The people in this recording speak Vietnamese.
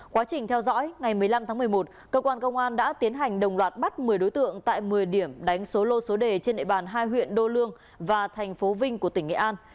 quá trình theo dõi ngày một mươi năm tháng một mươi một cơ quan công an đã tiến hành đồng loạt bắt một mươi đối tượng tại một mươi điểm đánh số lô số đề trên địa bàn hai huyện đô lương và thành phố vinh của tỉnh nghệ an